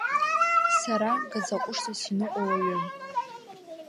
Сара гаӡа-ҟәышҵас иныҟәо уаҩым!